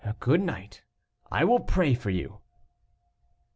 Good night, I will pray for you."